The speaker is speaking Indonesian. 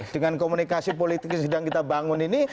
dengan komunikasi politik yang sedang kita bangun ini